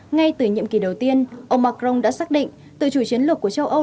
ngay từ nhiệm kỳ đầu tiên ông macron đã xác định tự chủ chiến lược của châu âu